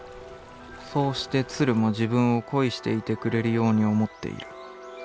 そうして鶴も自分を恋していてくれるように思っている。